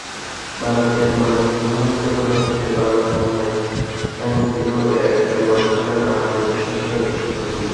ভারতের মহেন্দ্র দত্তের বাংলা ছাতাই ছিল এককালে বর্ষাকালে বাঙালির বিশ্বস্ত সঙ্গী।